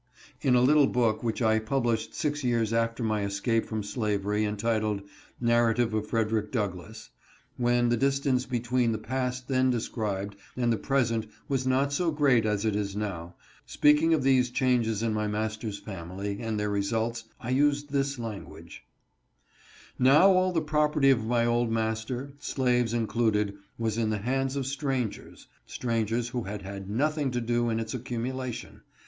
In a little book which I published six years after my escape from slavery, entitled, "Narrative of Frederick Douglass," — when the distance between the past then described and the present was not so great as it is now — speaking of these changes in my master's family, and their results, I used this language :" Now all the property of my old master, slaves included, was in the hands of strangers — strangers who had had nothing to do in ite accumulation.